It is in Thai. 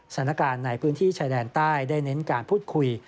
สถานการณ์ในพื้นที่ชายแดนใต้ได้เน้นการพูดคุย